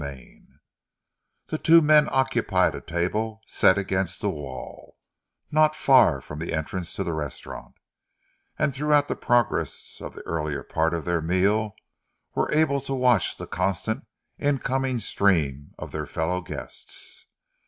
CHAPTER III The two men occupied a table set against the wall, not far from the entrance to the restaurant, and throughout the progress of the earlier part of their meal were able to watch the constant incoming stream of their fellow guests.